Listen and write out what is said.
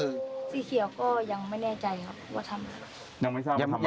สีเขียวก็ยังไม่แน่ใจครับว่าทำอะไร